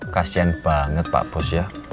kasian banget pak bos ya